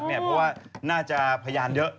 เพราะว่าน่าจะพยานเยอะ